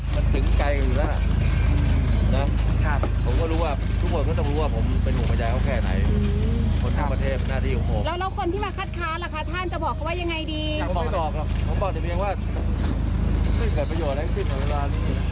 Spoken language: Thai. ไม่เกิดประโยชน์อะไรขึ้นเหมือนกับร้านนี้นะ